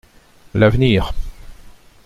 L’avenir.